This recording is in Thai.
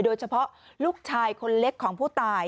โดยเฉพาะลูกชายคนเล็กของผู้ตาย